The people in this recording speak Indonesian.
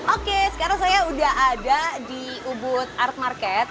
oke sekarang saya udah ada di ubud art market